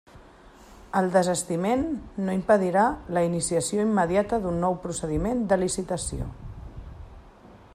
El desistiment no impedirà la iniciació immediata d'un nou procediment de licitació.